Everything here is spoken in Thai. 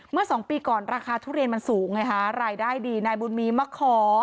เมื่อสองปีก่อนราคาทุเรียนมันสูงไงฮะรายได้ดีนายบุญมีมาขอ